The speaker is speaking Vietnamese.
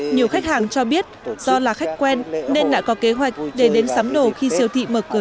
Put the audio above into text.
nhiều khách hàng cho biết do là khách quen nên đã có kế hoạch để đến sắm đồ khi siêu thị mở cửa